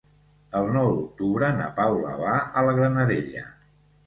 El nou d'octubre na Paula va a la Granadella.